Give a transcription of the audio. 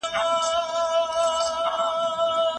د ټولنپوهنې تعریفونه ډېر دي.